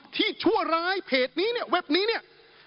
ชั่วร้ายเพจนี้เนี่ยเว็บนี้เนี่ย